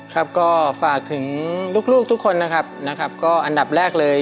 ครับก็ฝากถึงลูกทุกคนนะครับนะครับก็อันดับแรกเลย